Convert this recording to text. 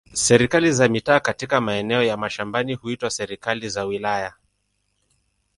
Serikali za mitaa katika maeneo ya mashambani huitwa serikali za wilaya.